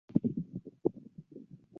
嗣德三年。